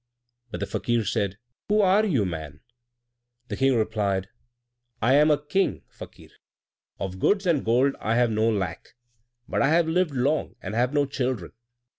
But the Fakir said, "Who are you, man?" The King replied, "I am a King, Fakir. Of goods and gold I have no lack, but I have lived long and have no children.